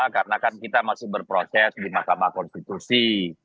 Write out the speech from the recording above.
karena kan kita masih berproses di mahkamah konstitusi